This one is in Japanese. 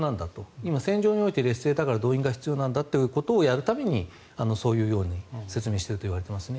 今戦場において劣勢だから動員が必要なんだというそういうように説明してるといわれてますね。